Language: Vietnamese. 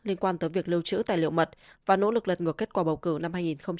liên quan tới việc lưu trữ tài liệu mật và nỗ lực lật ngược kết quả bầu cử năm hai nghìn hai mươi